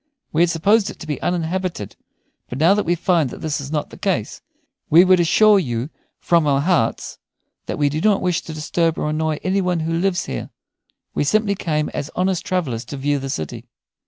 We had supposed it to be uninhabited, but now that we find that this is not the case, we would assure you from our hearts that we do not wish to disturb or annoy any one who lives here. We simply came as honest travellers to view the city."